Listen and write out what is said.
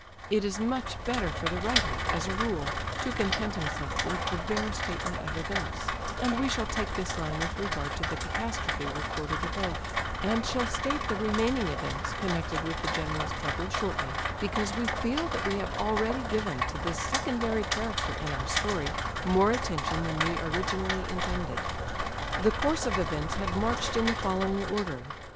It is much better for the writer, as a rule, to content himself with the bare statement of events; and we shall take this line with regard to the catastrophe recorded above, and shall state the remaining events connected with the general's trouble shortly, because we feel that we have already given to this secondary character in our story more attention than we originally intended. The course of events had marched in the following order.